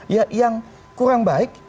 ya yang kurang baik